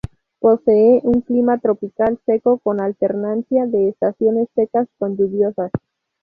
Posee un clima tropical seco con alternancia de estaciones secas con lluviosas.